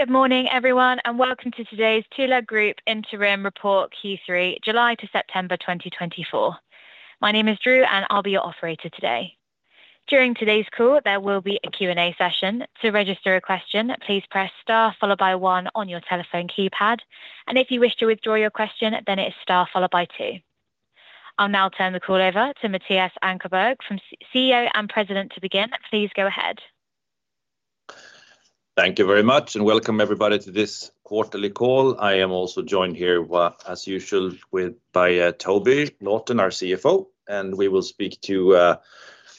Good morning, everyone, and welcome to today's Thule Group Interim Report, Q3 July to September 2024. My name is Drew, and I'll be your operator today. During today's call, there will be a Q&A session. To register a question, please press Star followed by one on your telephone keypad. And if you wish to withdraw your question, then it is star followed by two. I'll now turn the call over to Mattias Ankarberg, CEO and President, to begin. Please go ahead. Thank you very much, and welcome everybody to this quarterly call. I am also joined here, well, as usual, by Toby Lawton, our CFO, and we will speak to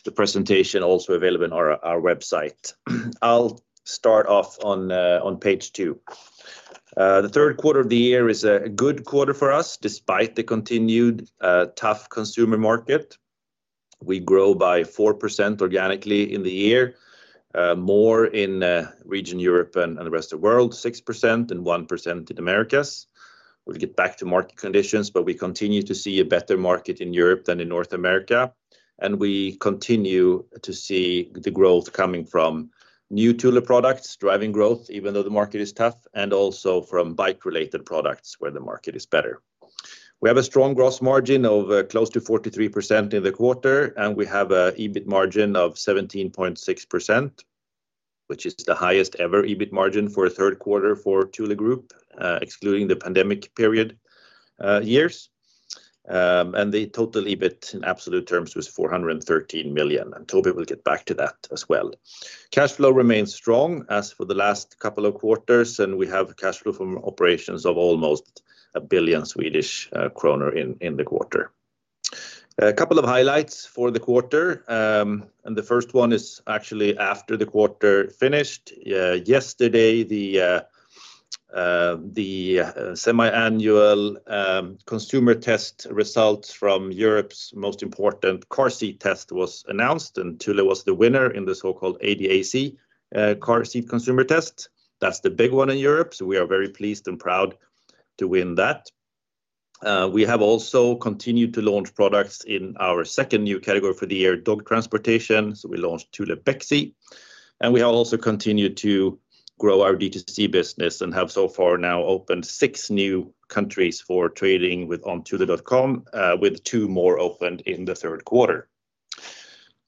the presentation also available on our website. I'll start off on page two. The third quarter of the year is a good quarter for us, despite the continued tough consumer market. We grow by 4% organically in the year, more in region Europe and the rest of the world, 6% and 1% in Americas. We'll get back to market conditions, but we continue to see a better market in Europe than in North America, and we continue to see the growth coming from new Thule products, driving growth, even though the market is tough, and also from bike-related products, where the market is better. We have a strong gross margin of, close to 43% in the quarter, and we have a EBIT margin of 17.6%, which is the highest ever EBIT margin for a third quarter for Thule Group, excluding the pandemic period, years. And the total EBIT in absolute terms was 413 million, and Toby will get back to that as well. Cash flow remains strong as for the last couple of quarters, and we have cash flow from operations of almost 1 billion Swedish kronor in the quarter. A couple of highlights for the quarter. And the first one is actually after the quarter finished. Yesterday, the semiannual consumer test results from Europe's most important car seat test was announced, and Thule was the winner in the so-called ADAC car seat consumer test. That's the big one in Europe, so we are very pleased and proud to win that. We have also continued to launch products in our second new category for the year, dog transportation, so we launched Thule Bexey, and we have also continued to grow our D2C business and have so far now opened six new countries for trading with on Thule.com, with two more opened in the third quarter.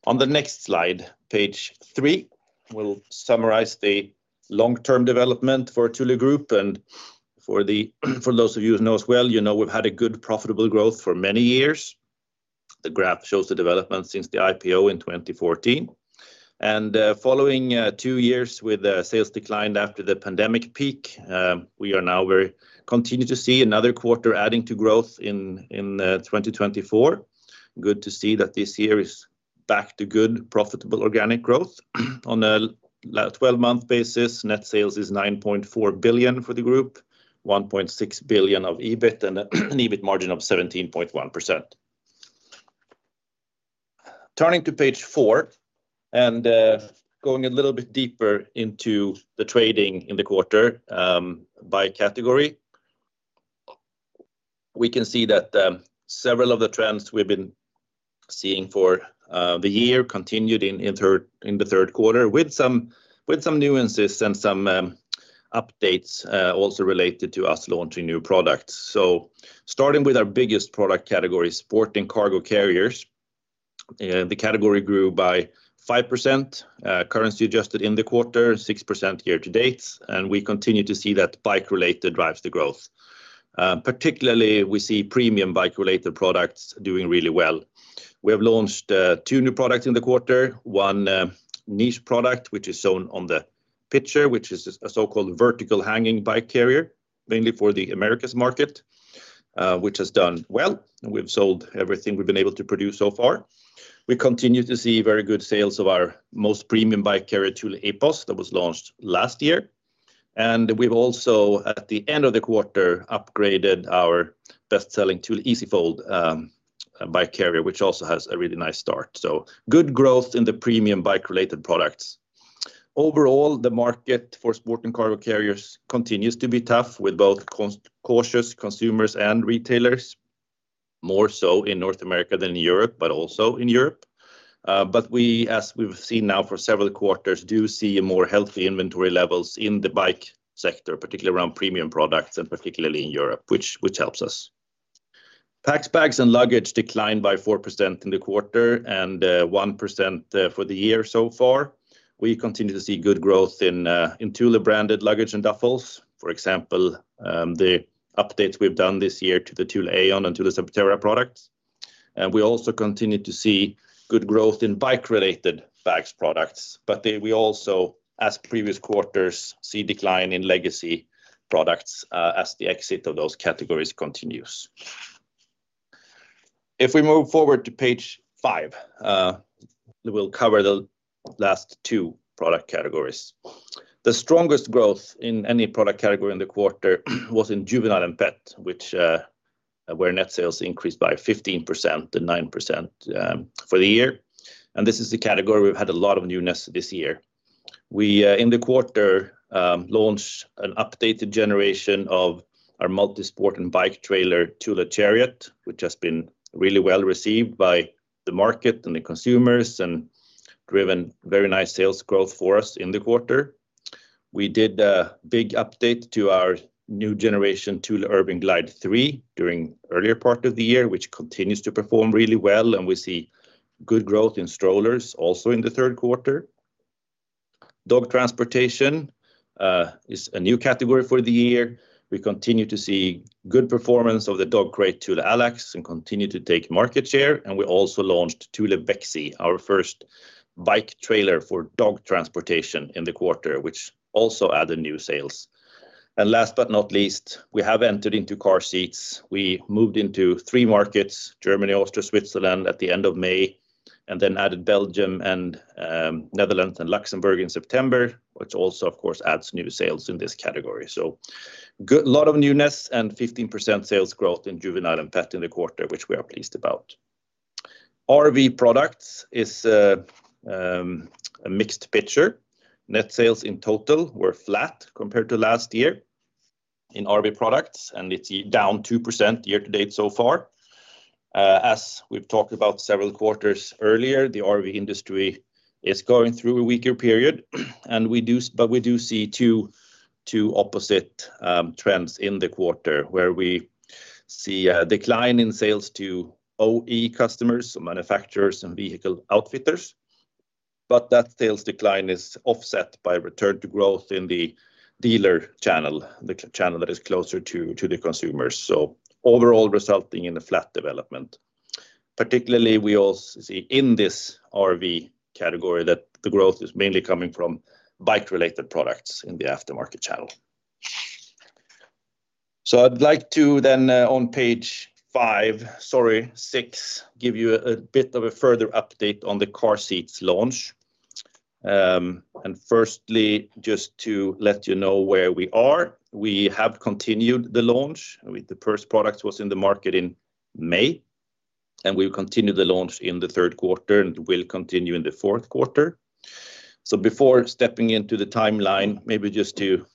On the next slide, page three, we'll summarize the long-term development for Thule Group and for those of you who know us well, you know we've had a good, profitable growth for many years. The graph shows the development since the IPO in twenty fourteen, and following two years with a sales decline after the pandemic peak, we now continue to see another quarter adding to growth in twenty twenty-four. Good to see that this year is back to good, profitable organic growth. On a twelve-month basis, net sales is 9.4 billion for the group, 1.6 billion of EBIT and an EBIT margin of 17.1%. Turning to page four and going a little bit deeper into the trading in the quarter by category. We can see that several of the trends we've been seeing for the year continued in the third quarter, with some nuances and some updates also related to us launching new products. Starting with our biggest product category, Sport and Cargo Carriers, the category grew by 5%, currency adjusted in the quarter, 6% year-to-date, and we continue to see that bike-related drives the growth. Particularly, we see premium bike-related products doing really well. We have launched two new products in the quarter. One niche product, which is shown on the picture, which is a so-called vertical hanging bike carrier, mainly for the Americas market, which has done well, and we've sold everything we've been able to produce so far. We continue to see very good sales of our most premium bike carrier, Thule Epos, that was launched last year. And we've also, at the end of the quarter, upgraded our best-selling Thule EasyFold bike carrier, which also has a really nice start. Good growth in the premium bike-related products. Overall, the market for sport and cargo carriers continues to be tough with both cautious consumers and retailers, more so in North America than in Europe, but also in Europe. But we, as we've seen now for several quarters, do see more healthy inventory levels in the bike sector, particularly around premium products and particularly in Europe, which helps us. Packs, bags, and luggage declined by 4% in the quarter and 1% for the year so far. We continue to see good growth in Thule-branded luggage and duffels. For example, the updates we've done this year to the Thule Aion and Thule Subterra products, and we also continue to see good growth in bike-related bags products. We also, as previous quarters, see decline in legacy products, as the exit of those categories continues. If we move forward to page five, we'll cover the last two product categories. The strongest growth in any product category in the quarter was in juvenile and pet, which where net sales increased by 15% to 9% for the year. And this is the category we've had a lot of newness this year. We in the quarter launched an updated generation of our multisport and bike trailer, Thule Chariot, which has been really well received by the market and the consumers, and driven very nice sales growth for us in the quarter. We did a big update to our new generation Thule Urban Glide 3 during earlier part of the year, which continues to perform really well, and we see good growth in strollers also in the third quarter. Dog transportation is a new category for the year. We continue to see good performance of the dog crate, Thule Allax, and continue to take market share. And we also launched Thule Bexey, our first bike trailer for dog transportation in the quarter, which also added new sales. And last but not least, we have entered into car seats. We moved into three markets: Germany, Austria, Switzerland, at the end of May, and then added Belgium and Netherlands and Luxembourg in September, which also, of course, adds new sales in this category. So good lot of newness and 15% sales growth in juvenile and pet in the quarter, which we are pleased about. RV products is a mixed picture. Net sales in total were flat compared to last year in RV products, and it's down 2% year-to-date so far. As we've talked about several quarters earlier, the RV industry is going through a weaker period, and we do but we do see two opposite trends in the quarter, where we see a decline in sales to OE customers, so manufacturers and vehicle outfitters, but that sales decline is offset by return to growth in the dealer channel, the channel that is closer to the consumers, so overall resulting in a flat development. Particularly, we see in this RV category that the growth is mainly coming from bike-related products in the aftermarket channel. I'd like to then on page five, sorry, six, give you a bit of a further update on the car seats launch. First, just to let you know where we are, we have continued the launch. With the first product was in the market in May, and we've continued the launch in the third quarter, and will continue in the fourth quarter. So before stepping into the timeline, maybe just to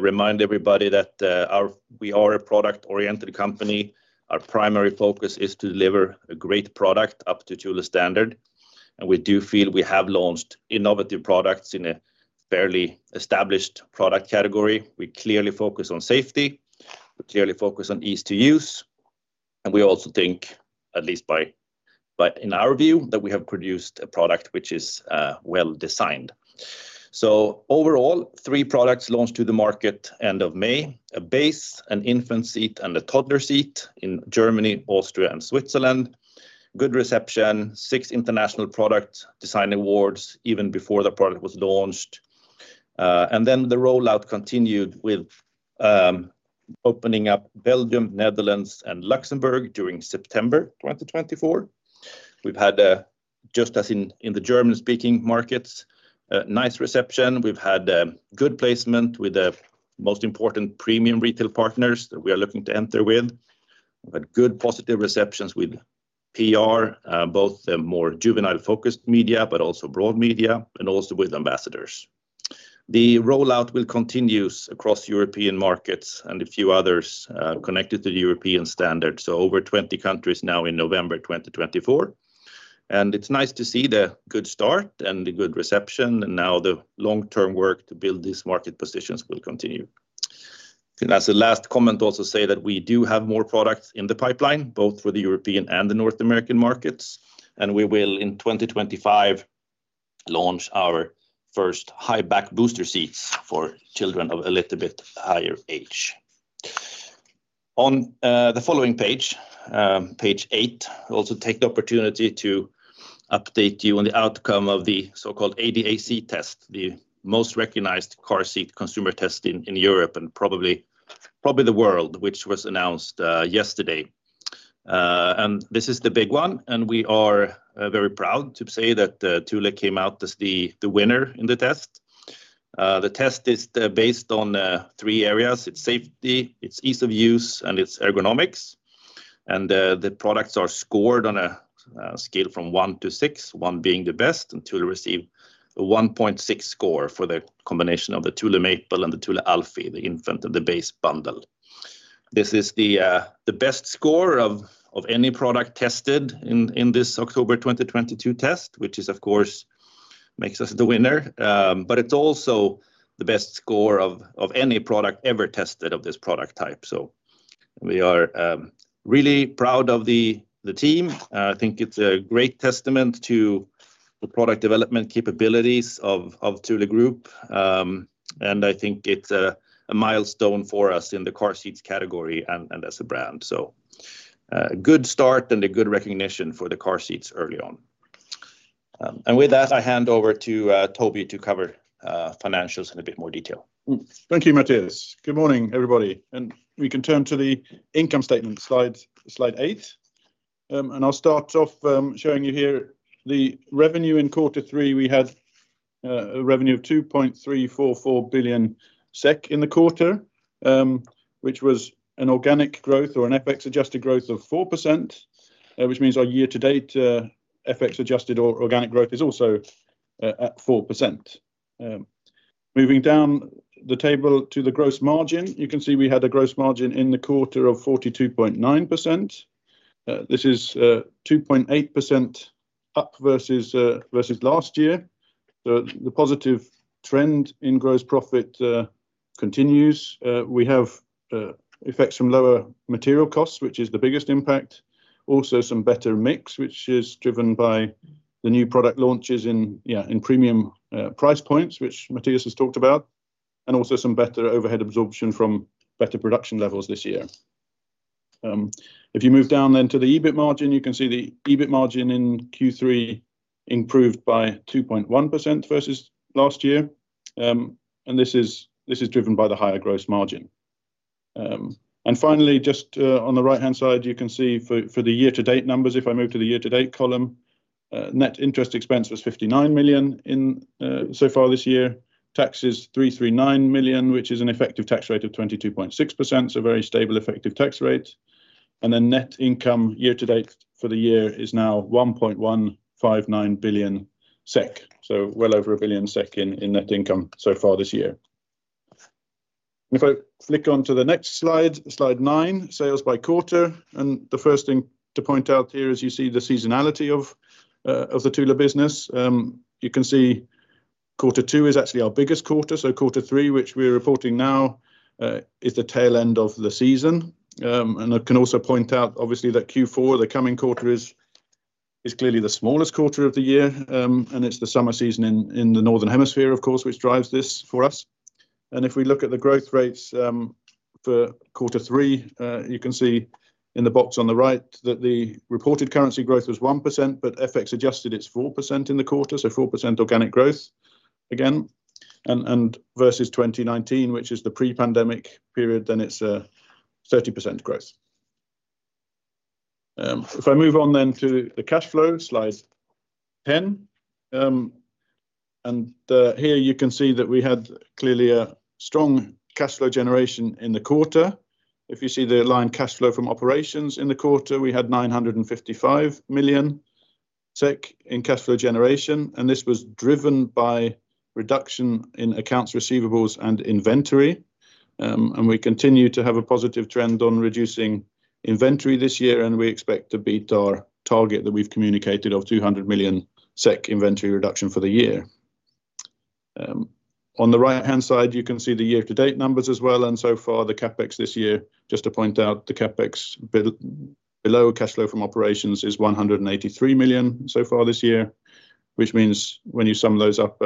remind everybody that our... We are a product-oriented company. Our primary focus is to deliver a great product up to Thule standard, and we do feel we have launched innovative products in a fairly established product category. We clearly focus on safety. We clearly focus on ease to use, and we also think, at least by in our view, that we have produced a product which is well designed. So overall, three products launched to the market end of May: a base, an infant seat, and a toddler seat in Germany, Austria, and Switzerland. Good reception, six international product design awards, even before the product was launched. And then the rollout continued with opening up Belgium, Netherlands, and Luxembourg during September 2024. We've had just as in the German-speaking markets, a nice reception. We've had good placement with the most important premium retail partners that we are looking to enter with. We've had good, positive receptions with PR, both the more juvenile-focused media, but also broad media, and also with ambassadors. The rollout will continue across European markets and a few others connected to the European standard, so over 20 countries now in November 2024. And it's nice to see the good start and the good reception, and now the long-term work to build these market positions will continue. As a last comment, also say that we do have more products in the pipeline, both for the European and the North American markets, and we will, in 2025, launch our first high-back booster seats for children of a little bit higher age. On the following page, page eight, I'll also take the opportunity to update you on the outcome of the so-called ADAC test, the most recognized car seat consumer test in Europe, and probably the world, which was announced yesterday. This is the big one, and we are very proud to say that Thule came out as the winner in the test. The test is based on three areas: its safety, its ease of use, and its ergonomics. The products are scored on a scale from one to six, one being the best, and Thule received a 1.6 score for the combination of the Thule Maple and the Thule Alfi, the infant and the base bundle. This is the best score of any product tested in this October 2022 test, which, of course, makes us the winner. It's also the best score of any product ever tested of this product type. We are really proud of the team. I think it's a great testament to the product development capabilities of Thule Group. I think it's a milestone for us in the car seats category and as a brand. A good start and a good recognition for the car seats early on. And with that, I hand over to Toby to cover financials in a bit more detail. Thank you, Mattias. Good morning, everybody, and we can turn to the income statement, slide eight. And I'll start off showing you here the revenue in quarter three. We had a revenue of 2.344 billion SEK in the quarter, which was an organic growth or an FX-adjusted growth of 4%. Which means our year-to-date FX adjusted or organic growth is also at 4%. Moving down the table to the gross margin, you can see we had a gross margin in the quarter of 42.9%. This is 2.8% up versus last year. The positive trend in gross profit continues. We have effects from lower material costs, which is the biggest impact. Also, some better mix, which is driven by the new product launches in premium price points, which Mattias has talked about, and also some better overhead absorption from better production levels this year. If you move down then to the EBIT margin, you can see the EBIT margin in Q3 improved by 2.1% versus last year. And this is driven by the higher gross margin. And finally, just on the right-hand side, you can see for the year-to-date numbers, if I move to the year-to-date column, net interest expense was 59 million in so far this year. Taxes, 339 million, which is an effective tax rate of 22.6%, so very stable effective tax rate. And then net income year to date for the year is now 1.159 billion SEK. So well over 1 billion SEK in net income so far this year. If I flick onto the next slide, slide nine, sales by quarter, and the first thing to point out here is you see the seasonality of the Thule business. You can see quarter two is actually our biggest quarter, so quarter three, which we're reporting now, is the tail end of the season. And I can also point out, obviously, that Q4, the coming quarter, is clearly the smallest quarter of the year, and it's the summer season in the Northern Hemisphere, of course, which drives this for us. And if we look at the growth rates for quarter three, you can see in the box on the right that the reported currency growth was 1%, but FX adjusted, it's 4% in the quarter, so 4% organic growth again, and versus 2019, which is the pre-pandemic period, then it's 30% growth. If I move on then to the cash flow, slide 10. And here you can see that we had clearly a strong cash flow generation in the quarter. If you see the line cash flow from operations in the quarter, we had 955 million SEK in cash flow generation, and this was driven by reduction in accounts receivable and inventory. And we continue to have a positive trend on reducing inventory this year, and we expect to beat our target that we've communicated of 200 million SEK inventory reduction for the year. On the right-hand side, you can see the year-to-date numbers as well, and so far, the CapEx this year, just to point out, the CapEx below cash flow from operations is 183 million so far this year, which means when you sum those up,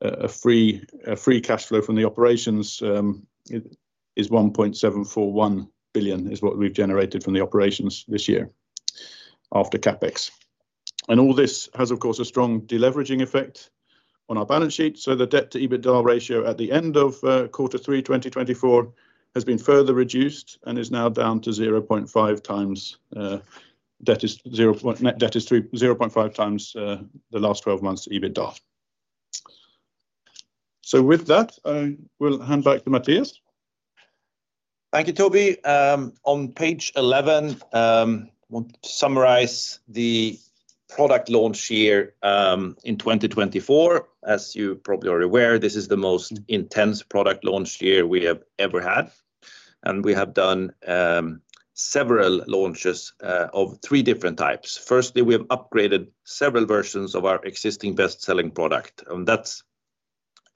a free cash flow from the operations, it is 1.741 billion, is what we've generated from the operations this year after CapEx. All this has, of course, a strong deleveraging effect on our balance sheet, so the debt to EBITDA ratio at the end of quarter three 2024 has been further reduced and is now down to zero point five times. Net debt is zero point five times the last twelve months EBITDA. So with that, I will hand back to Mattias. Thank you, Toby. On page 11, I want to summarize the product launch year in twenty twenty-four. As you probably are aware, this is the most intense product launch year we have ever had, and we have done several launches of three different types. Firstly, we have upgraded several versions of our existing best-selling product, and that's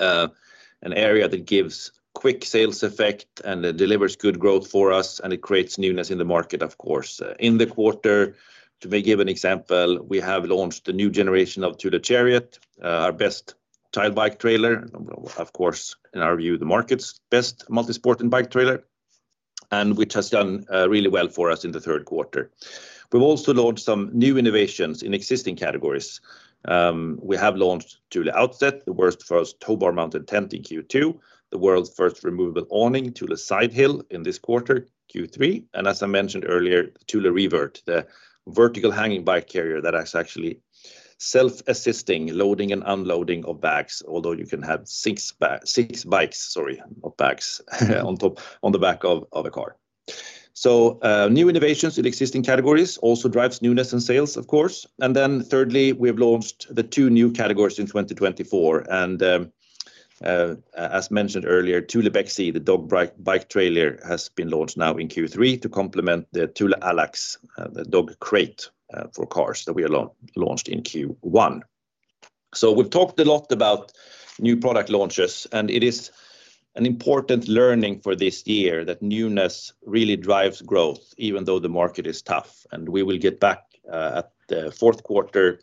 an area that gives quick sales effect and it delivers good growth for us, and it creates newness in the market, of course. In the quarter, to give an example, we have launched a new generation of Thule Chariot, our best child bike trailer. Of course, in our view, the market's best multi-sport and bike trailer, and which has done really well for us in the third quarter. We've also launched some new innovations in existing categories. We have launched Thule Outset, the world's first tow bar-mounted tent in Q2, the world's first removable awning, Thule Sidehill, in this quarter, Q3, and as I mentioned earlier, Thule ReVert, the vertical hanging bike carrier that has actually self-assisting loading and unloading of bags, although you can have six bikes, sorry, not bags, on top, on the back of a car, so new innovations in existing categories also drives newness in sales, of course, and then thirdly, we have launched the two new categories in 2024, and as mentioned earlier, Thule Bexey, the dog bike trailer, has been launched now in Q3 to complement the Thule Allax, the dog crate for cars that we launched in Q1. So we've talked a lot about new product launches, and it is an important learning for this year that newness really drives growth, even though the market is tough. And we will get back at the fourth quarter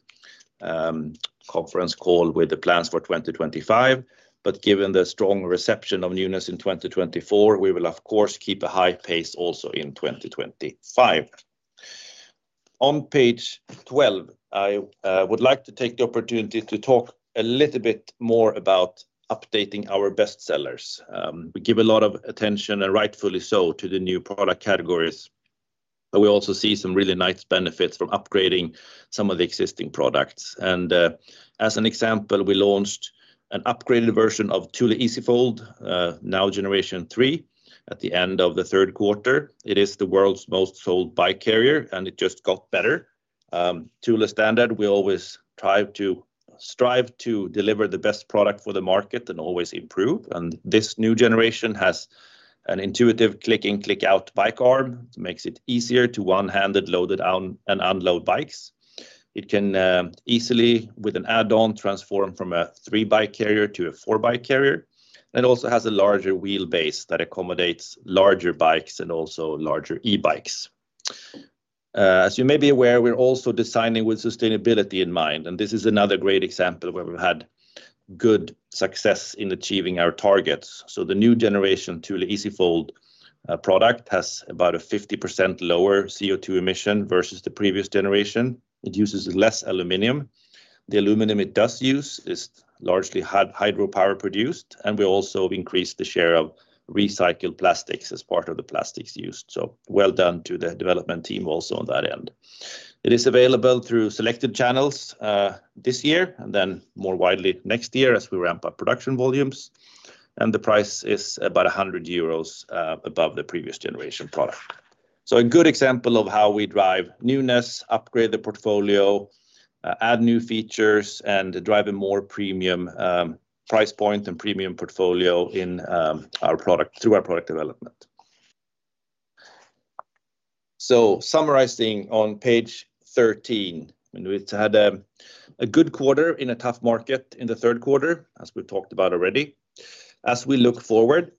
conference call with the plans for 2025. But given the strong reception of newness in 2024, we will of course keep a high pace also in 2025. On page 12, I would like to take the opportunity to talk a little bit more about updating our best sellers. We give a lot of attention, and rightfully so, to the new product categories, but we also see some really nice benefits from upgrading some of the existing products. And as an example, we launched an upgraded version of Thule EasyFold now generation 3 at the end of the third quarter. It is the world's most sold bike carrier, and it just got better. Thule standard, we always try to strive to deliver the best product for the market and always improve, and this new generation has an intuitive click in, click out bike arm, makes it easier to one-handed load it on and unload bikes. It can easily, with an add-on, transform from a three-bike carrier to a four-bike carrier, and also has a larger wheelbase that accommodates larger bikes and also larger e-bikes. As you may be aware, we're also designing with sustainability in mind, and this is another great example where we've had good success in achieving our targets. So the new generation Thule EasyFold product has about a 50% lower CO2 emission versus the previous generation. It uses less aluminum. The aluminum it does use is largely hydropower produced, and we also increased the share of recycled plastics as part of the plastics used. Well done to the development team also on that end. It is available through selected channels this year, and then more widely next year as we ramp up production volumes, and the price is about 100 euros above the previous generation product. A good example of how we drive newness, upgrade the portfolio, add new features, and drive a more premium price point and premium portfolio in our product through our product development. Summarizing on page 13, and we've had a good quarter in a tough market in the third quarter, as we've talked about already. As we look forward,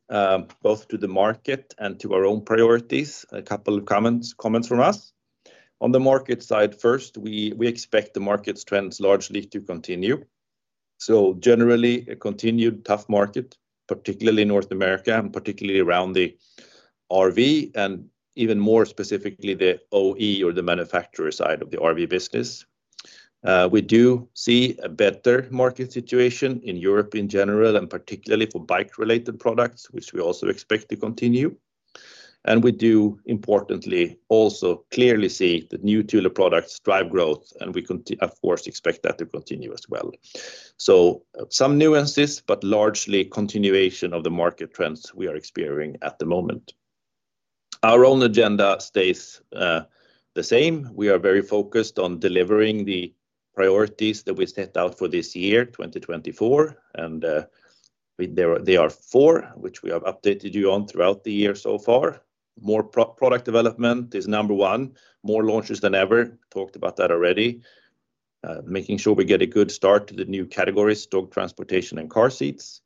both to the market and to our own priorities, a couple of comments from us. On the market side first, we expect the market trends largely to continue, so generally, a continued tough market, particularly in North America, and particularly around the RV, and even more specifically, the OE or the manufacturer side of the RV business. We do see a better market situation in Europe in general and particularly for bike-related products, which we also expect to continue, and we do importantly also clearly see that new Thule products drive growth, and we of course expect that to continue as well, so some nuances, but largely continuation of the market trends we are experiencing at the moment. Our own agenda stays the same. We are very focused on delivering the priorities that we set out for this year, 2024, and we're there. There are four, which we have updated you on throughout the year so far. More product development is number one. More launches than ever. Talked about that already. Making sure we get a good start to the new categories, dog transportation and car seats.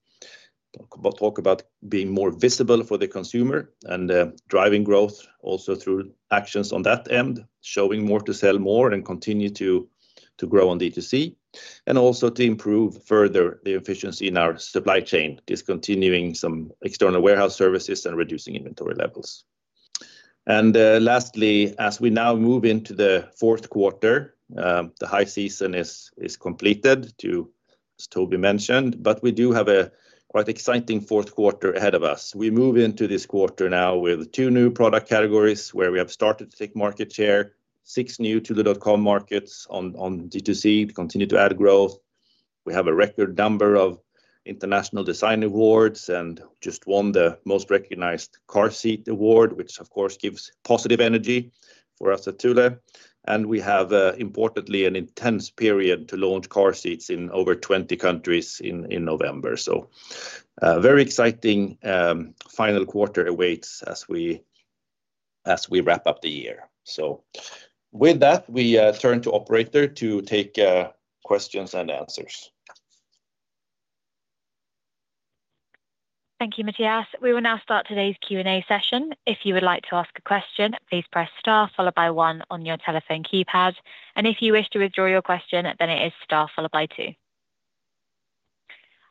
Talk about being more visible for the consumer and driving growth also through actions on that end, showing more to sell more and continue to grow on D2C, and also to improve further the efficiency in our supply chain, discontinuing some external warehouse services and reducing inventory levels. Lastly, as we now move into the fourth quarter, the high season is completed, as Toby mentioned, but we do have a quite exciting fourth quarter ahead of us. We move into this quarter now with two new product categories, where we have started to take market share, six new Thule.com markets on D2C to continue to add growth. We have a record number of international design awards and just won the most recognized car seat award, which of course, gives positive energy for us at Thule. We have, importantly, an intense period to launch car seats in over twenty countries in November. Very exciting, final quarter awaits as we wrap up the year. With that, we turn to operator to take questions and answers. Thank you, Mattias. We will now start today's Q&A session. If you would like to ask a question, please press star followed by one on your telephone keypad, and if you wish to withdraw your question, then it is star followed by two.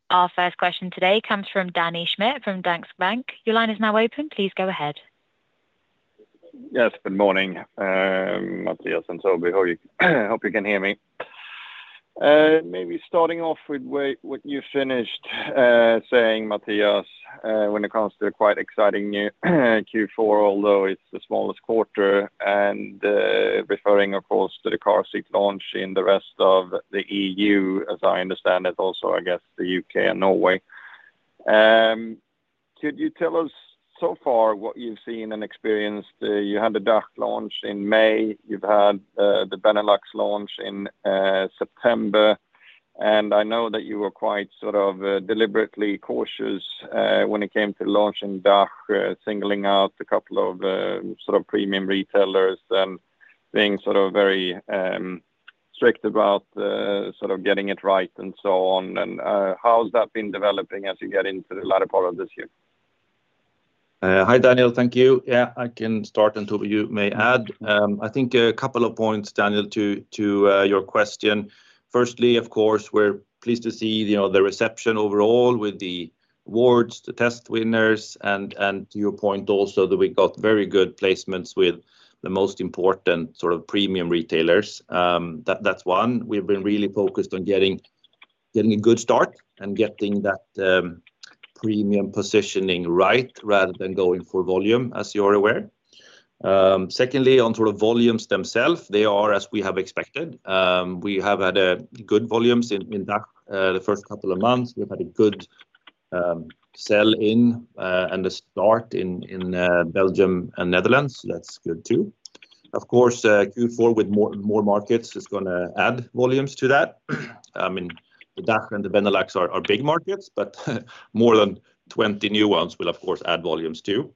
Our first question today comes from Danny Schmidt from Danske Bank. Your line is now open. Please go ahead. Yes, good morning, Mattias and Toby. Hope you can hear me. Maybe starting off with where what you finished saying, Mattias, when it comes to the quite exciting new Q4, although it's the smallest quarter, and referring, of course, to the car seat launch in the rest of the EU, as I understand it, also, I guess, the U.K. and Norway. Could you tell us so far what you've seen and experienced? You had the DACH launch in May. You've had the Benelux launch in September, and I know that you were quite sort of deliberately cautious when it came to launching DACH, singling out a couple of sort of premium retailers and being sort of very strict about sort of getting it right and so on. How has that been developing as you get into the latter part of this year? Hi, Daniel. Thank you. Yeah, I can start, and Toby, you may add. I think a couple of points, Daniel, to your question. Firstly, of course, we're pleased to see, you know, the reception overall with the awards, the test winners, and to your point also, that we got very good placements with the most important sort of premium retailers. That's one. We've been really focused on getting a good start and getting that premium positioning right, rather than going for volume, as you're aware. Secondly, on sort of volumes themselves, they are as we have expected. We have had good volumes in DACH. The first couple of months, we've had a good sell-in, and the start in Belgium and Netherlands, that's good too. Of course, Q4 with more markets is gonna add volumes to that. I mean, the DACH and the Benelux are big markets, but more than twenty new ones will of course add volumes too.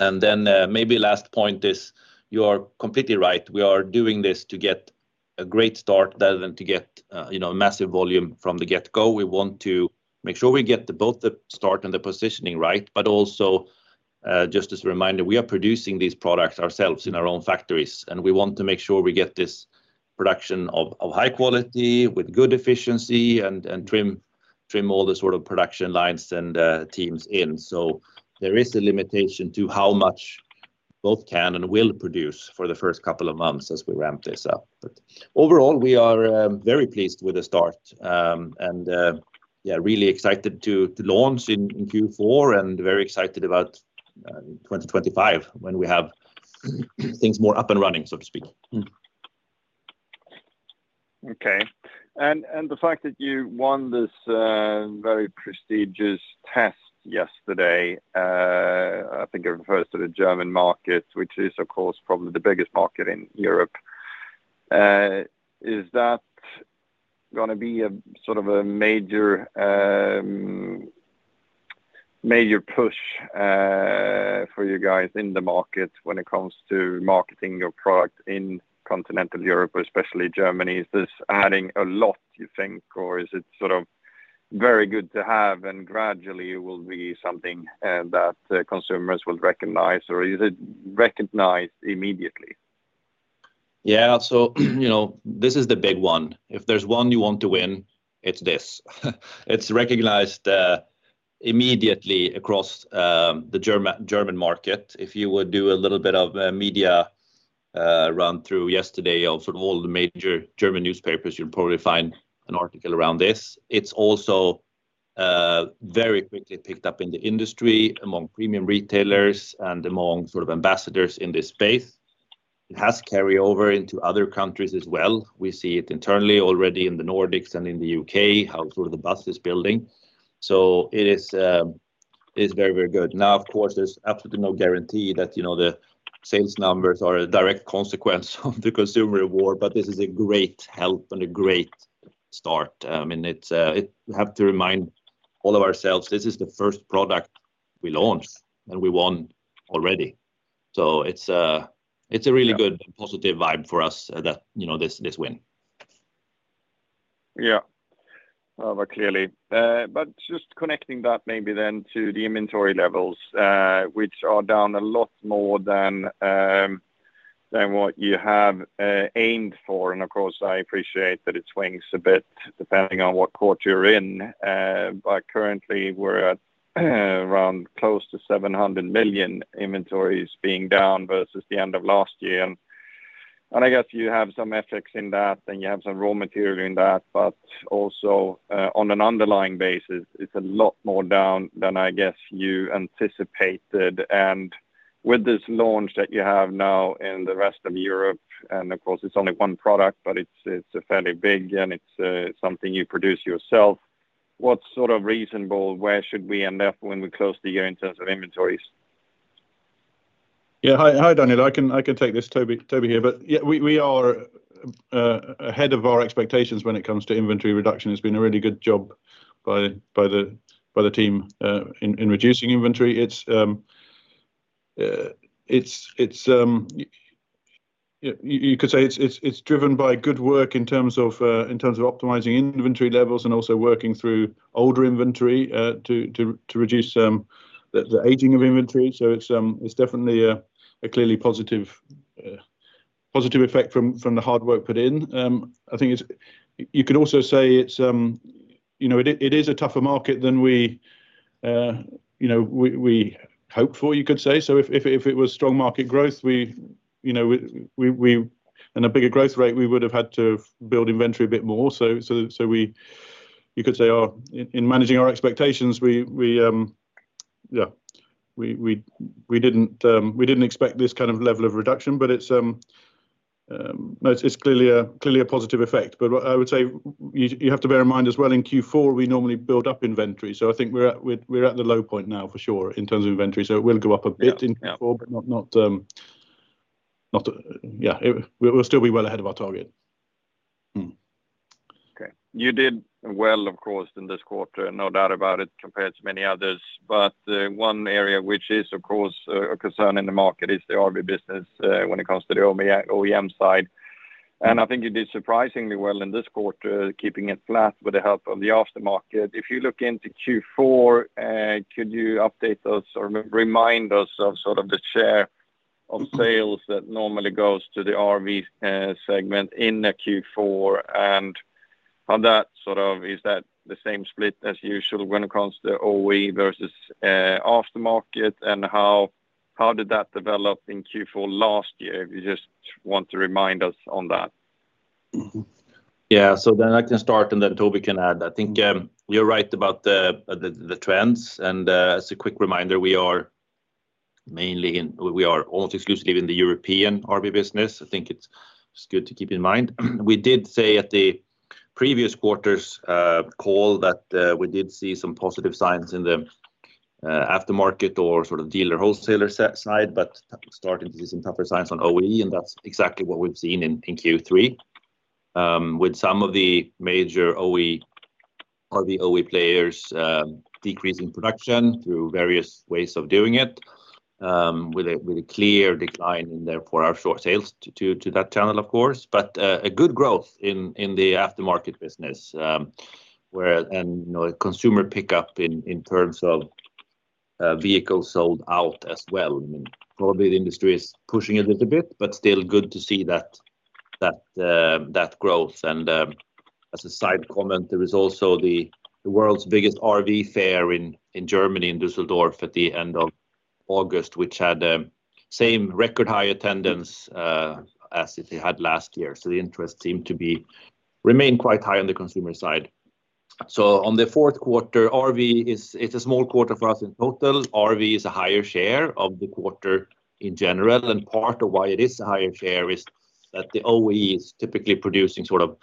And then, maybe last point is, you are completely right, we are doing this to get a great start rather than to get, you know, a massive volume from the get-go. We want to make sure we get both the start and the positioning right, but also, just as a reminder, we are producing these products ourselves in our own factories, and we want to make sure we get this production of high quality, with good efficiency, and trim all the sort of production lines and teams in. So there is a limitation to how much both can and will produce for the first couple of months as we ramp this up. But overall, we are very pleased with the start. And yeah, really excited to launch in Q4, and very excited about 2025, when we have things more up and running, so to speak. Okay. And the fact that you won this very prestigious test yesterday, I think it refers to the German market, which is, of course, probably the biggest market in Europe. Is that gonna be a sort of a major push for you guys in the market when it comes to marketing your product in continental Europe, especially Germany? Is this adding a lot, you think, or is it sort of very good to have and gradually it will be something that consumers will recognize, or is it recognized immediately? Yeah. So, you know, this is the big one. If there's one you want to win, it's this. It's recognized immediately across the German market. If you would do a little bit of media run through yesterday of sort of all the major German newspapers, you'll probably find an article around this. It's also very quickly picked up in the industry among premium retailers and among sort of ambassadors in this space. It has carry over into other countries as well. We see it internally already in the Nordics and in the U.K., how sort of the buzz is building. So it is, it's very, very good. Now, of course, there's absolutely no guarantee that, you know, the sales numbers are a direct consequence of the consumer award, but this is a great help and a great start. And it's it... We have to remind all of ourselves, this is the first product we launched, and we won already. So it's, it's a really good- Yeah... positive vibe for us, that, you know, this win. Yeah. But clearly, just connecting that maybe then to the inventory levels, which are down a lot more than what you have aimed for. And of course, I appreciate that it swings a bit depending on what quarter you're in. But currently, we're at around close to 700 million inventories being down versus the end of last year. And I guess you have some FX in that, and you have some raw material in that, but also on an underlying basis, it's a lot more down than I guess you anticipated. And with this launch that you have now in the rest of Europe, and of course, it's only one product, but it's a fairly big, and it's something you produce yourself, what's sort of reasonable? Where should we end up when we close the year in terms of inventories? Yeah. Hi, Daniel. I can take this. Toby here. But yeah, we are ahead of our expectations when it comes to inventory reduction. It's been a really good job by the team in reducing inventory. You could say it's driven by good work in terms of optimizing inventory levels and also working through older inventory to reduce the aging of inventory. So it's definitely a clearly positive effect from the hard work put in. I think you could also say it's, you know, it is a tougher market than we, you know, we hoped for, you could say. So if it was strong market growth, you know, and a bigger growth rate, we would have had to build inventory a bit more. So you could say our... In managing our expectations, yeah, we didn't expect this kind of level of reduction, but it's, no, it's clearly a positive effect. But what I would say, you have to bear in mind as well, in Q4, we normally build up inventory, so I think we're at the low point now for sure, in terms of inventory. So it will go up a bit- Yeah, yeah... in Q4, but not. We'll still be well ahead of our target. Okay. You did well, of course, in this quarter, no doubt about it, compared to many others. But one area which is, of course, a concern in the market is the RV business, when it comes to the OEM side. And I think you did surprisingly well in this quarter, keeping it flat with the help of the aftermarket. If you look into Q4, could you update us or remind us of sort of the share of sales? Mm-hmm... that normally goes to the RV segment in the Q4? And on that, sort of, is that the same split as usual when it comes to the OE versus aftermarket, and how did that develop in Q4 last year? If you just want to remind us on that. Mm-hmm. Yeah, so then I can start, and then Toby can add. I think you're right about the trends. And as a quick reminder, we are mainly almost exclusively in the European RV business. I think it's good to keep in mind. We did say at the previous quarter's call that we did see some positive signs in the aftermarket or sort of dealer wholesaler side, but starting to see some tougher signs on OE, and that's exactly what we've seen in Q3. With some of the major OE or the OE players decreasing production through various ways of doing it, with a clear decline in therefore our short sales to that channel, of course. A good growth in the aftermarket business, where and you know a consumer pickup in terms of vehicles sold out as well. I mean, probably the industry is pushing it a little bit, but still good to see that growth. As a side comment, there is also the world's biggest RV fair in Germany, in Düsseldorf, at the end of August, which had same record high attendance as it had last year. The interest seemed to be remain quite high on the consumer side. On the fourth quarter, RV is. It is a small quarter for us in total. RV is a higher share of the quarter in general, and part of why it is a higher share is that the OE is typically producing sort of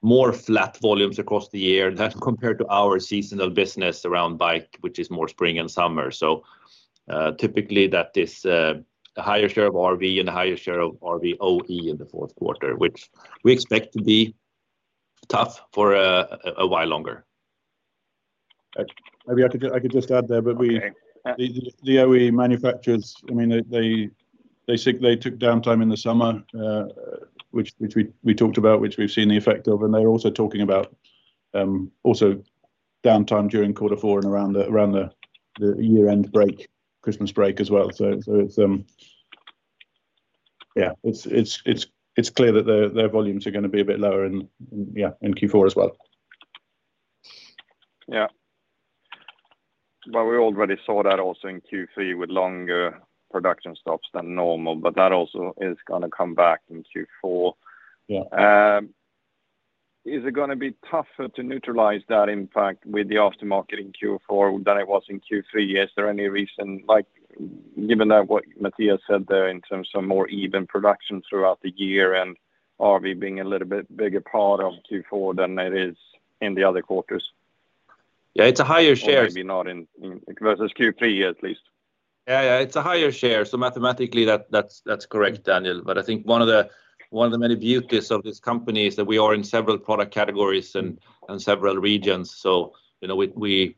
more flat volumes across the year. That compared to our seasonal business around bike, which is more spring and summer. So, typically, that is, a higher share of RV and a higher share of RV OE in the fourth quarter, which we expect to be tough for a while longer. Maybe I could just add there, but we- Okay. The OE manufacturers, I mean, they took downtime in the summer, which we talked about, which we've seen the effect of, and they're also talking about also downtime during quarter four and around the year-end break, Christmas break as well. It's clear that their volumes are gonna be a bit lower in Q4 as well. Yeah, but we already saw that also in Q3 with longer production stops than normal, but that also is gonna come back in Q4. Yeah. Is it gonna be tougher to neutralize that impact with the aftermarket in Q4 than it was in Q3? Is there any reason, like, given that what Mattias said there in terms of more even production throughout the year and RV being a little bit bigger part of Q4 than it is in the other quarters? Yeah, it's a higher share- Or maybe not in versus Q3 at least. Yeah, yeah, it's a higher share, so mathematically, that's correct, Daniel. But I think one of the many beauties of this company is that we are in several product categories and several regions. So you know, we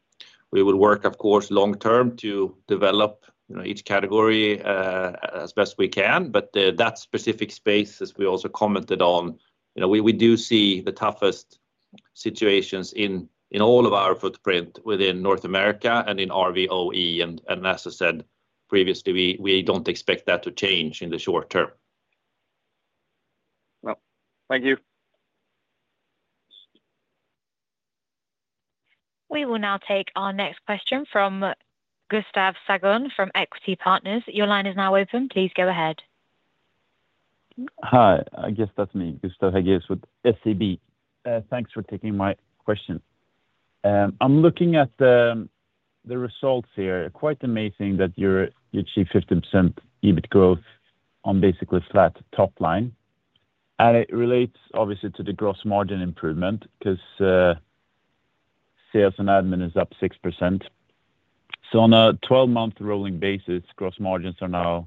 will work, of course, long term to develop, you know, each category as best we can. But that specific space, as we also commented on, you know, we do see the toughest situations in all of our footprint within North America and in RV OE, and as I said previously, we don't expect that to change in the short term. Thank you. We will now take our next question from Gustav Hagéus from SEB. Your line is now open. Please go ahead. Hi, I guess that's me, Gustav Hagéus with SEB. Thanks for taking my question. I'm looking at the results here. Quite amazing that you achieved 50% EBIT growth on basically flat top line. And it relates obviously to the gross margin improvement, 'cause sales and admin is up 6%. So on a twelve-month rolling basis, gross margins are now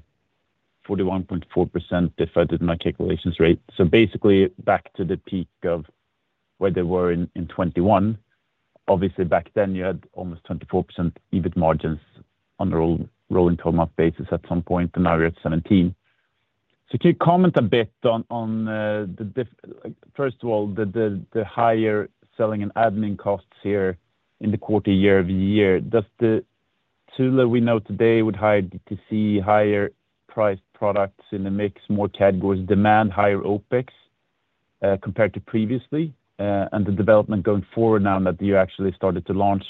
41.4%, if I did my calculations right. So basically, back to the peak of where they were in 2021. Obviously, back then, you had almost 24% EBIT margins on a rolling twelve-month basis at some point, and now you're at 17%. So could you comment a bit on First of all, the higher selling and admin costs here in the quarter year-over-year? Does the Thule we know today would like to see higher priced products in the mix, more categories, demanding higher OpEx, compared to previously, and the development going forward now that you actually started to launch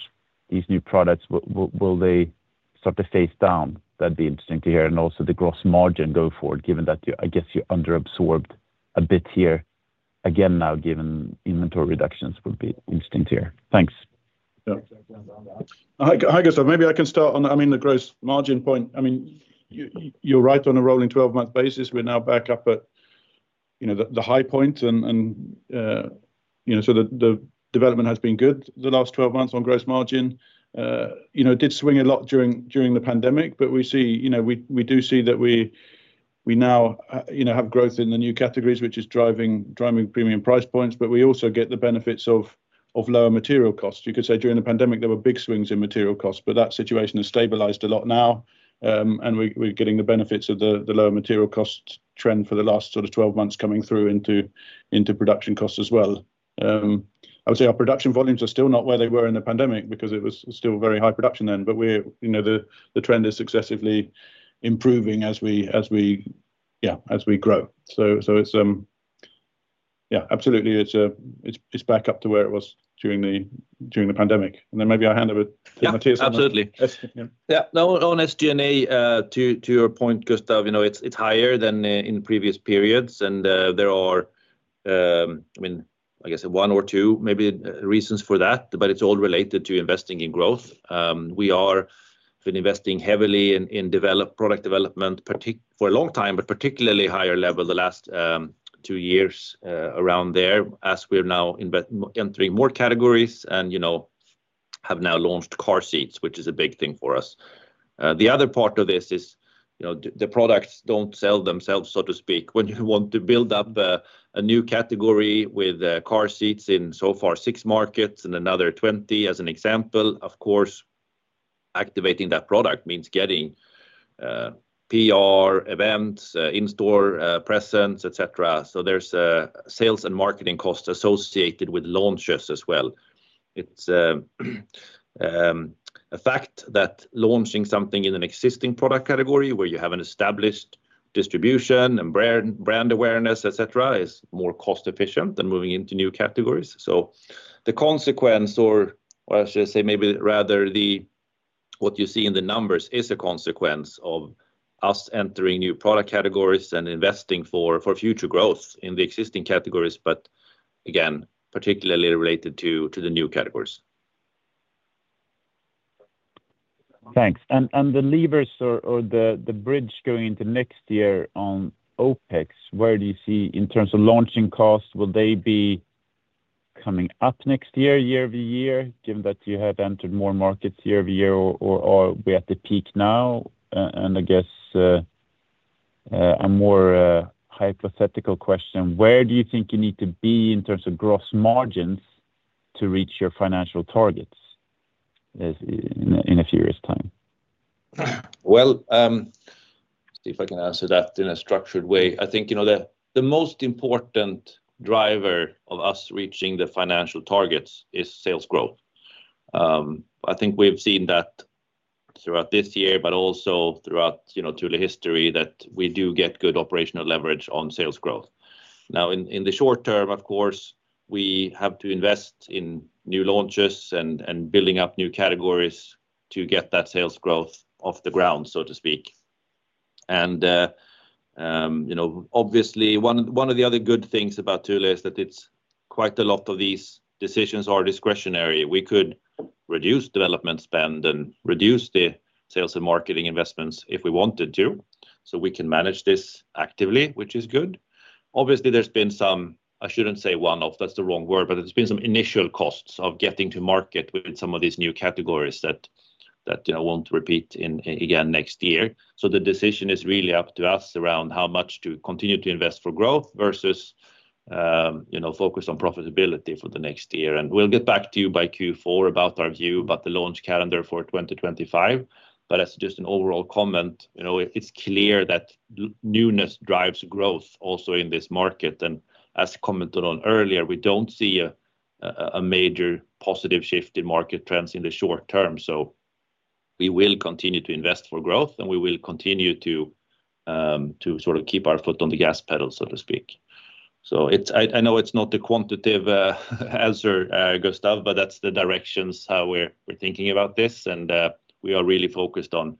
these new products, will they sort of phase down? That'd be interesting to hear, and also the gross margin going forward, given that you, I guess, you're underabsorbed a bit here. Again, now, given inventory reductions would be interesting to hear. Thanks. Yeah. Hi, Gustav. Maybe I can start on the, I mean, the gross margin point. I mean, you're right on a rolling twelve-month basis. We're now back up at, you know, the high point and, you know, so the development has been good the last twelve months on gross margin. You know, it did swing a lot during the pandemic, but we see, you know, we do see that we now have growth in the new categories, which is driving premium price points, but we also get the benefits of lower material costs. You could say during the pandemic, there were big swings in material costs, but that situation has stabilized a lot now, and we're getting the benefits of the lower material cost trend for the last sort of 12 months coming through into production costs as well. I would say our production volumes are still not where they were in the pandemic because it was still very high production then, but we're, you know, the trend is successively improving as we grow. So it's absolutely back up to where it was during the pandemic. And then maybe I hand over to Mattias. Yeah, absolutely. Yeah. Yeah. Now, on SG&A, to your point, Gustav, you know, it's higher than in previous periods, and there are... I mean, I guess one or two maybe reasons for that, but it's all related to investing in growth. We are been investing heavily in product development, for a long time, but particularly higher level the last two years, around there, as we're now entering more categories and, you know, have now launched car seats, which is a big thing for us. The other part of this is, you know, the products don't sell themselves, so to speak. When you want to build up a new category with car seats in so far six markets and another 20, as an example, of course, activating that product means getting PR events, in-store presence, et cetera. So there's sales and marketing costs associated with launches as well. It's a fact that launching something in an existing product category where you have an established distribution and brand awareness, et cetera, is more cost-efficient than moving into new categories. So the consequence or I should say maybe rather the what you see in the numbers is a consequence of us entering new product categories and investing for future growth in the existing categories. But again, particularly related to the new categories. Thanks. And the levers or the bridge going into next year on OpEx, where do you see in terms of launching costs? Will they be coming up next year, year over year, given that you have entered more markets year over year, or are we at the peak now? And I guess a more hypothetical question, where do you think you need to be in terms of gross margins to reach your financial targets as in a few years' time? See if I can answer that in a structured way. I think, you know, the most important driver of us reaching the financial targets is sales growth. I think we've seen that throughout this year, but also throughout, you know, through the history, that we do get good operational leverage on sales growth. Now, in the short term, of course, we have to invest in new launches and building up new categories to get that sales growth off the ground, so to speak. You know, obviously, one of the other good things about Thule is that it's quite a lot of these decisions are discretionary. We could reduce development spend and reduce the sales and marketing investments if we wanted to. So we can manage this actively, which is good. Obviously, there's been some... I shouldn't say one-off, that's the wrong word, but there's been some initial costs of getting to market with some of these new categories that you know won't repeat again next year. So the decision is really up to us around how much to continue to invest for growth versus you know focus on profitability for the next year. And we'll get back to you by Q4 about our view about the launch calendar for 2025. But as just an overall comment, you know it's clear that newness drives growth also in this market, and as commented on earlier, we don't see a major positive shift in market trends in the short term. So we will continue to invest for growth, and we will continue to sort of keep our foot on the gas pedal, so to speak. It's—I know it's not a quantitative answer, Gustav, but that's the directions how we're thinking about this. And we are really focused on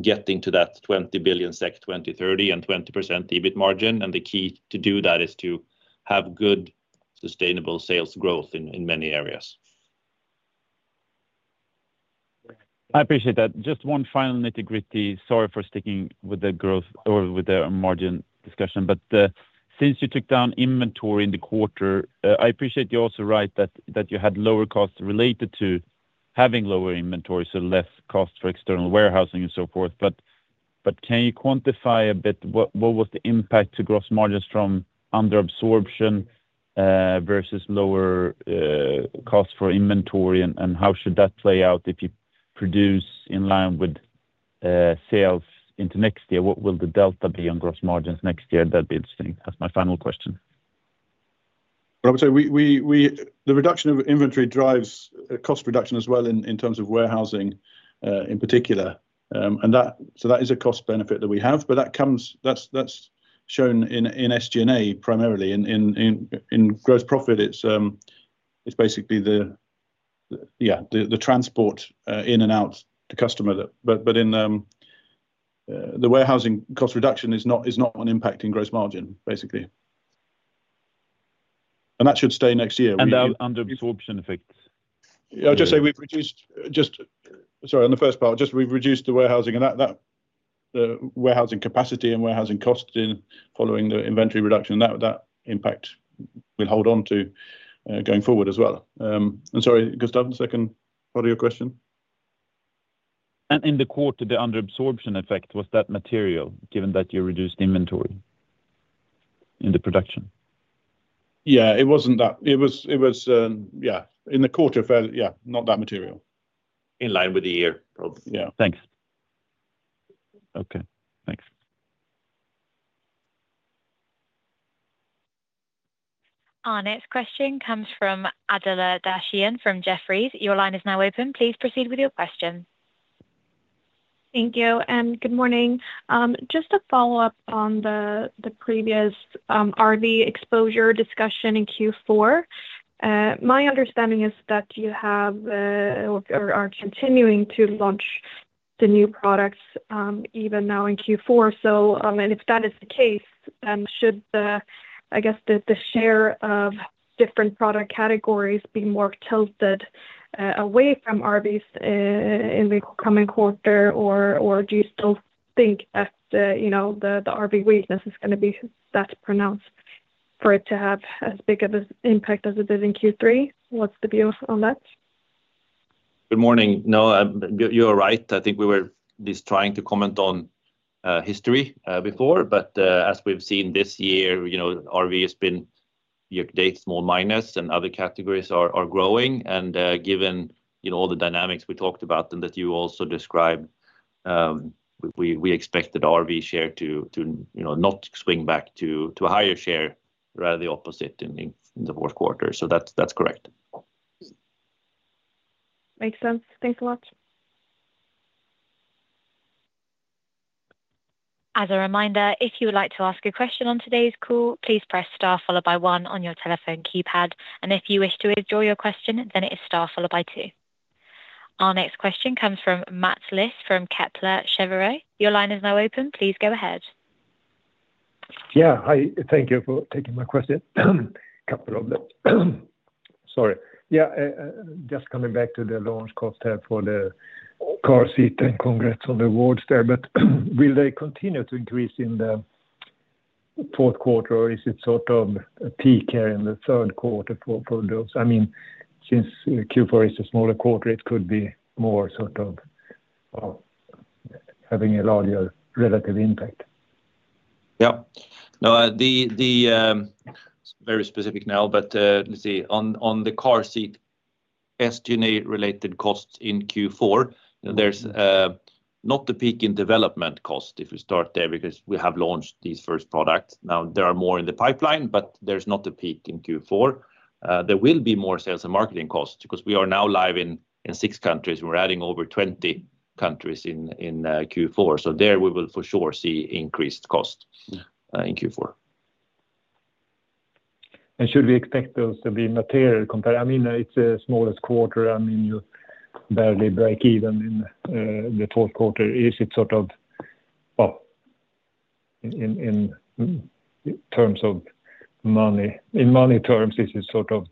getting to that 20 billion SEK 2030 and 20% EBIT margin. And the key to do that is to have good, sustainable sales growth in many areas. I appreciate that. Just one final nitty-gritty. Sorry for sticking with the growth or with the margin discussion, but since you took down inventory in the quarter, I appreciate you're also right, that you had lower costs related to having lower inventory, so less cost for external warehousing and so forth. But can you quantify a bit what was the impact to gross margins from under absorption versus lower cost for inventory? And how should that play out if you produce in line with sales into next year? What will the delta be on gross margins next year? That'd be interesting. That's my final question. I would say the reduction of inventory drives cost reduction as well in terms of warehousing, in particular. And that is a cost benefit that we have, but that comes. That's shown in SG&A, primarily. In gross profit, it's basically the transport in and out the customer that. But in the warehousing cost reduction is not an impact in gross margin, basically. And that should stay next year. Under absorption effects. Sorry, on the first part, just we've reduced the warehousing capacity and warehousing costs following the inventory reduction. That impact will hold on to going forward as well. I'm sorry, Gustav, the second part of your question? In the quarter, the under absorption effect, was that material, given that you reduced inventory in the production? Yeah, it wasn't that. It was, yeah, in the quarter fell, yeah, not that material. In line with the year, probably. Yeah. Thanks. Okay, thanks. Our next question comes from Adela Dashian from Jefferies. Your line is now open. Please proceed with your question. Thank you, and good morning. Just to follow up on the previous RV exposure discussion in Q4, my understanding is that you have or are continuing to launch- ... the new products, even now in Q4? So, and if that is the case, should the, I guess, the share of different product categories be more tilted away from RVs in the coming quarter? Or, do you still think that the, you know, the RV weakness is gonna be that pronounced for it to have as big of an impact as it did in Q3? What's the view on that? Good morning. No, you are right. I think we were just trying to comment on history before, but as we've seen this year, you know, RV has been year-to-date small minus, and other categories are growing. And given, you know, all the dynamics we talked about and that you also described, we expect the RV share to, you know, not swing back to a higher share, rather the opposite in the fourth quarter. So that's correct. Makes sense. Thanks a lot. As a reminder, if you would like to ask a question on today's call, please press star followed by one on your telephone keypad. And if you wish to withdraw your question, then it is star followed by two. Our next question comes from Mats Liss from Kepler Cheuvreux. Your line is now open. Please go ahead. Yeah, hi, thank you for taking my question. A couple of them. Sorry. Yeah, just coming back to the launch cost there for the car seat, and congrats on the awards there. But will they continue to increase in the fourth quarter, or is it sort of a peak here in the third quarter for products? I mean, since Q4 is a smaller quarter, it could be more sort of having a larger relative impact. Yeah. No, very specific now, but let's see. On the car seat SG&A related costs in Q4, there's not the peak in development cost if we start there, because we have launched these first products. Now, there are more in the pipeline, but there's not a peak in Q4. There will be more sales and marketing costs because we are now live in six countries, and we're adding over 20 countries in Q4. So there we will for sure see increased costs in Q4. Should we expect those to be material compared... I mean, it's the smallest quarter. I mean, you barely break even in the fourth quarter. Is it sort of, well, in terms of money, in money terms, is it sort of-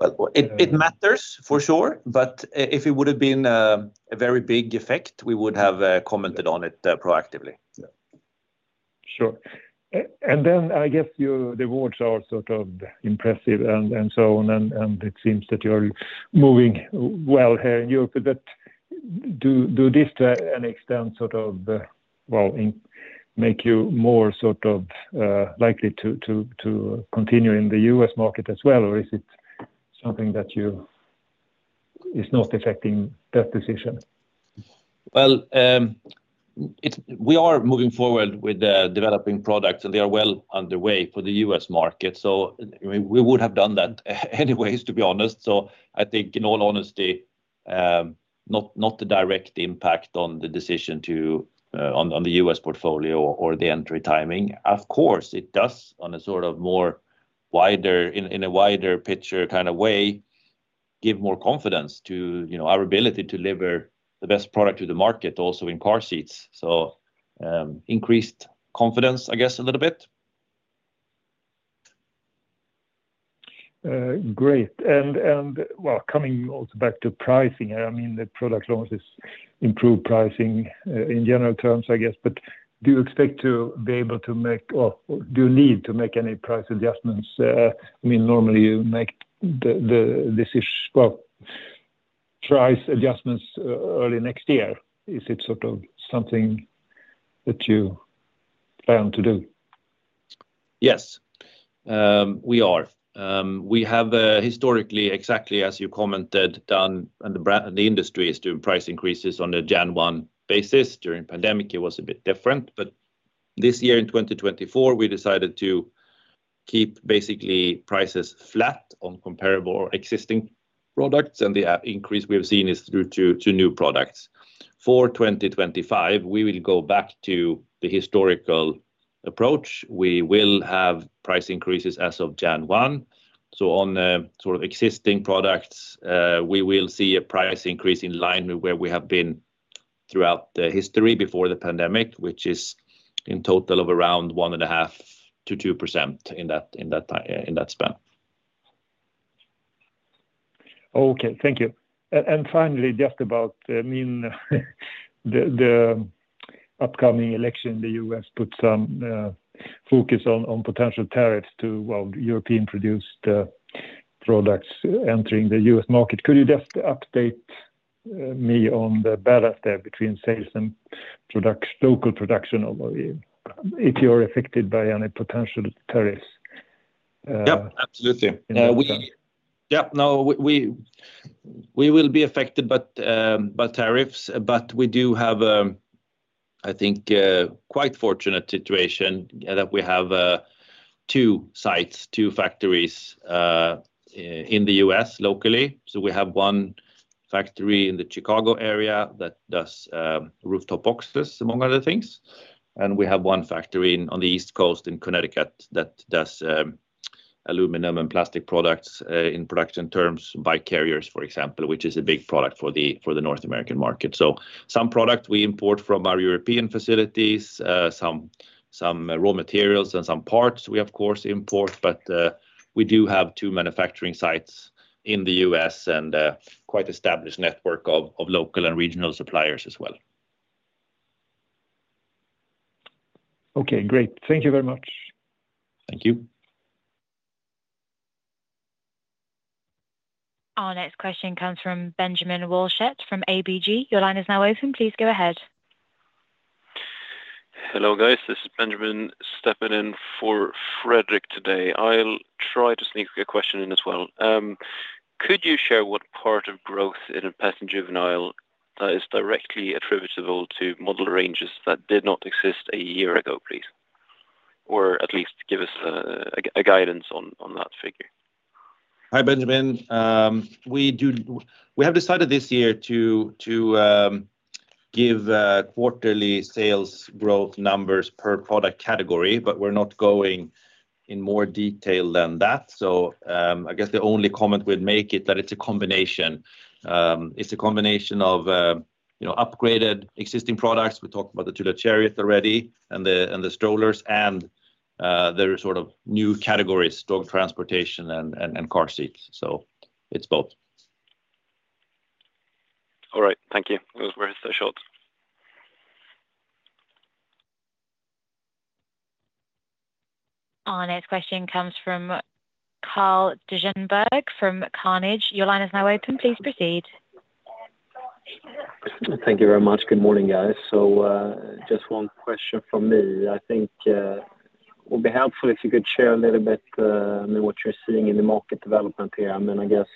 Well, it matters for sure, but if it would have been a very big effect, we would have commented on it proactively. Yeah. Sure. And then I guess the awards are sort of impressive and so on, and it seems that you're moving well here in Europe, but does this to an extent sort of well make you more sort of likely to continue in the U.S. market as well? Or is it something that is not affecting that decision? We are moving forward with the developing products, and they are well underway for the US market, so we would have done that anyways, to be honest. So I think in all honesty, not a direct impact on the decision to, on the US portfolio or the entry timing. Of course, it does, on a sort of more wider, in a wider picture kind of way, give more confidence to, you know, our ability to deliver the best product to the market, also in car seats. So, increased confidence, I guess, a little bit. Great. And well, coming also back to pricing, I mean, the product launch is improved pricing in general terms, I guess. But do you expect to be able to make or do you need to make any price adjustments? I mean, normally, you make the price adjustments, well, early next year. Is it sort of something that you plan to do? Yes, we are. We have historically, exactly as you commented, done, and the industry is doing price increases on a January 1 basis. During pandemic, it was a bit different, but this year, in twenty twenty-four, we decided to keep basically prices flat on comparable or existing products, and the increase we have seen is due to new products. For twenty twenty-five, we will go back to the historical approach. We will have price increases as of January 1. So on the sort of existing products, we will see a price increase in line with where we have been throughout the history before the pandemic, which is in total of around 1.5%-2% in that span. Okay, thank you, and finally, just about, I mean, the upcoming election in the U.S. put some focus on potential tariffs to, well, European-produced products entering the U.S. market. Could you just update me on the balance there between sales and product local production, or if you're affected by any potential tariffs? Yep, absolutely. Yeah. We will be affected by tariffs, but we do have, I think, quite fortunate situation that we have two sites, two factories in the U.S. locally. So we have one factory in the Chicago area that does rooftop boxes, among other things, and we have one factory in on the East Coast, in Connecticut, that does aluminum and plastic products in production terms, bike carriers, for example, which is a big product for the North American market. So some product we import from our European facilities, some raw materials and some parts we of course import, but we do have two manufacturing sites in the U.S. and quite established network of local and regional suppliers as well. Okay, great. Thank you very much. Thank you. Our next question comes from Benjamin Wahlstedt from ABG. Your line is now open. Please go ahead. Hello, guys. This is Benjamin Wahlstedt stepping in for Fredrik Ivarsson today. I'll try to sneak a question in as well. Could you share what part of growth in Americas juvenile that is directly attributable to model ranges that did not exist a year ago, please? Or at least give us a guidance on that figure. Hi, Benjamin. We have decided this year to give quarterly sales growth numbers per product category, but we're not going in more detail than that, so I guess the only comment we'd make is that it's a combination. It's a combination of you know upgraded existing products. We talked about the Thule Chariot already and the strollers, and there are sort of new categories, dog transportation and car seats, so it's both. All right. Thank you. It was worth a shot. Our next question comes from Carl Deijenberg from Carnegie. Your line is now open. Please proceed. Thank you very much. Good morning, guys. So, just one question from me. I think, it would be helpful if you could share a little bit, what you're seeing in the market development here. I mean, I guess,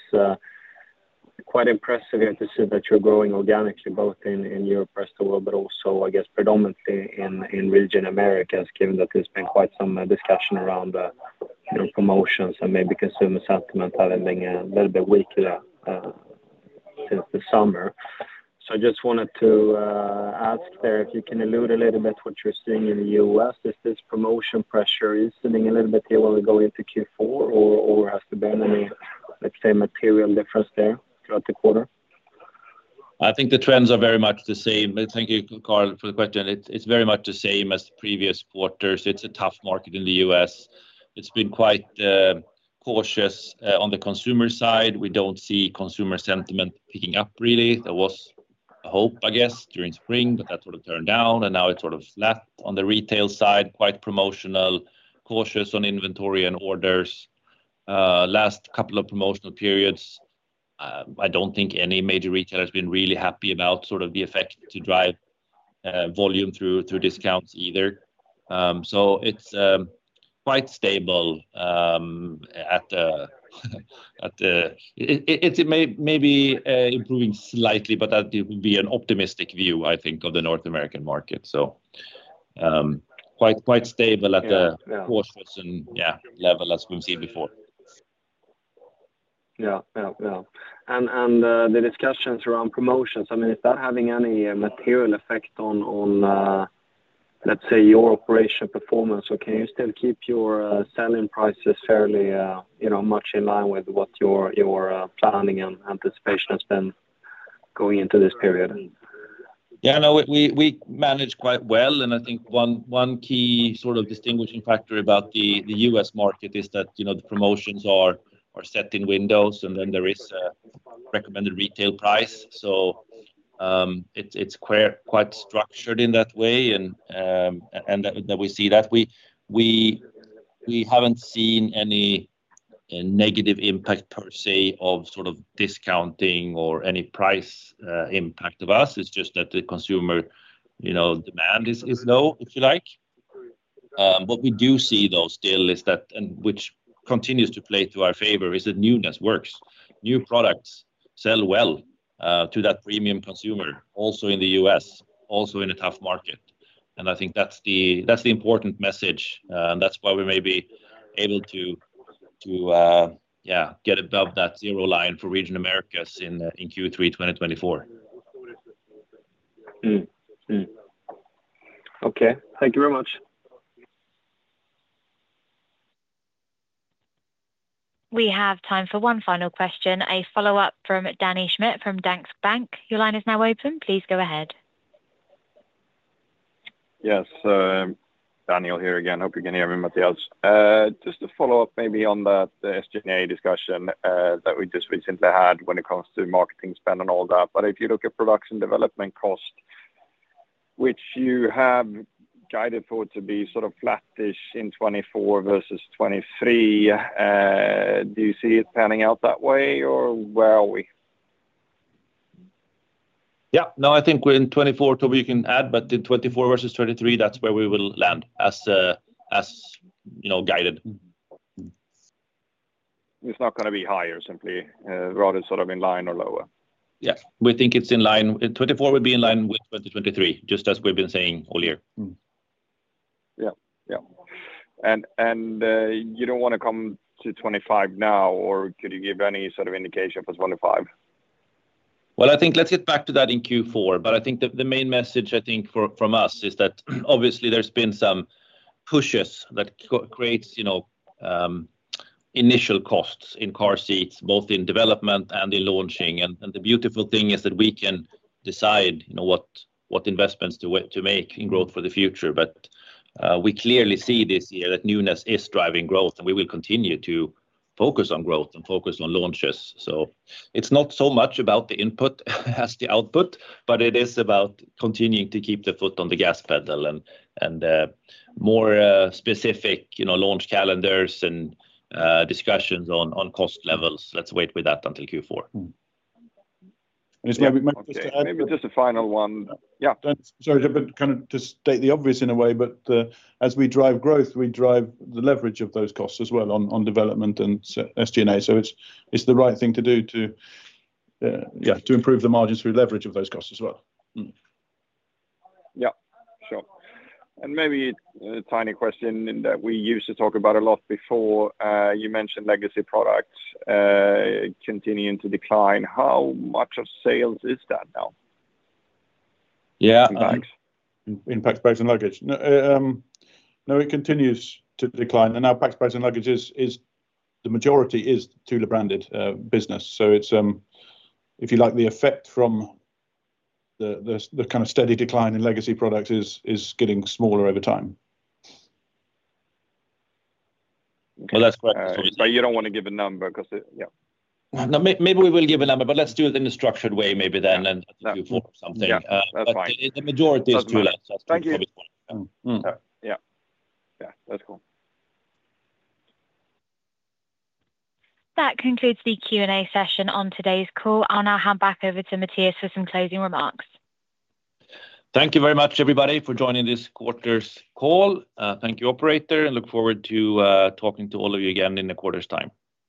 quite impressive to see that you're growing organically, both in Europe, rest of the world, but also, I guess, predominantly in region Americas, given that there's been quite some discussion around, you know, promotions and maybe consumer sentiment having a little bit weaker, since the summer. So I just wanted to, ask there, if you can allude a little bit what you're seeing in the U.S. Is this promotion pressure easing a little bit here while we go into Q4, or has there been any, let's say, material difference there throughout the quarter? I think the trends are very much the same. Thank you, Carl, for the question. It's very much the same as the previous quarters. It's a tough market in the U.S. It's been quite cautious on the consumer side. We don't see consumer sentiment picking up, really. There was a hope, I guess, during spring, but that sort of turned down, and now it's sort of flat. On the retail side, quite promotional, cautious on inventory and orders. Last couple of promotional periods, I don't think any major retailer has been really happy about sort of the effect to drive volume through discounts either. So it's quite stable at the. It may be improving slightly, but that would be an optimistic view, I think, of the North American market. So, quite, quite stable at the- Yeah ...cautious and, yeah, level as we've seen before. Yeah. Yeah, yeah. And the discussions around promotions, I mean, is that having any material effect on, let's say, your operation performance? Or can you still keep your selling prices fairly, you know, much in line with what your planning and anticipation has been going into this period? Yeah, no, we managed quite well, and I think one key sort of distinguishing factor about the U.S. market is that, you know, the promotions are set in windows, and then there is a recommended retail price. So, it's quite structured in that way, and that we see that. We haven't seen any negative impact per se, of sort of discounting or any price impact of us. It's just that the consumer, you know, demand is low, if you like. What we do see, though, still, is that, and which continues to play to our favor, is that newness works. New products sell well to that premium consumer, also in the U.S., also in a tough market. And I think that's the important message, and that's why we may be able to yeah get above that zero line for region Americas in Q3-2024. Mm. Mm. Okay. Thank you very much. We have time for one final question, a follow-up from Daniel Schmidt from Danske Bank. Your line is now open. Please go ahead. Yes, Daniel here again. Hope you can hear me, Mattias. Just a follow-up maybe on the SG&A discussion, that we just recently had when it comes to marketing spend and all that. But if you look at production development cost, which you have guided for it to be sort of flattish in 2024 versus 2023, do you see it panning out that way, or where are we? Yeah. No, I think we're in 2024, so we can add, but in 2024 versus 2023, that's where we will land, as, as you know, guided. It's not gonna be higher, simply, rather sort of in line or lower? Yeah, we think it's in line. 2024 will be in line with 2023, just as we've been saying all year. Mm-hmm. Yeah. Yeah. And you don't wanna come to twenty-five now, or could you give any sort of indication for twenty-five?... I think let's get back to that in Q4. I think the main message, I think, from us is that, obviously, there's been some pushes that creates, you know, initial costs in car seats, both in development and in launching. The beautiful thing is that we can decide, you know, what investments to make in growth for the future. We clearly see this year that newness is driving growth, and we will continue to focus on growth and focus on launches. It's not so much about the input as the output, but it is about continuing to keep the foot on the gas pedal and more specific, you know, launch calendars and discussions on cost levels. Let's wait with that until Q4. Mm-hmm. Yeah, we might just add- Maybe just a final one. Yeah. Sorry, but kind of to state the obvious in a way, but as we drive growth, we drive the leverage of those costs as well on development and SG&A. So it's the right thing to do to improve the margins through leverage of those costs as well. Yeah, sure, and maybe a tiny question that we used to talk about a lot before. You mentioned legacy products continuing to decline. How much of sales is that now? Yeah. In fact- In packs, bags, and luggage. No, it continues to decline, and now packs, bags, and luggage is the majority is Thule branded business. So it's, if you like, the effect from the kind of steady decline in legacy products is getting smaller over time. Well, that's quite- But you don't want to give a number 'cause it... Yeah. No, maybe we will give a number, but let's do it in a structured way, maybe then, and Q4 or something. Yeah, that's fine. But the majority is Thule. Thank you. Mm-hmm. Yeah. Yeah, that's cool. That concludes the Q&A session on today's call. I'll now hand back over to Mattias for some closing remarks. Thank you very much, everybody, for joining this quarter's call. Thank you, operator, and look forward to talking to all of you again in a quarter's time.